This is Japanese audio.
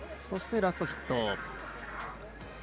そしてラストヒット。